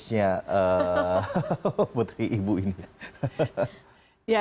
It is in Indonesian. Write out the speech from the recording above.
kita lihat patri dari budi flasuhan